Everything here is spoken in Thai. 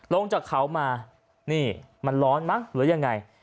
ลงจากเขามานี่มันร้อนมั้งหรือยังไง